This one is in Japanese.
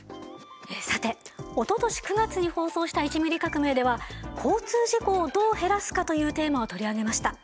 さておととし９月に放送した「１ミリ革命」では交通事故をどう減らすかというテーマを取り上げました。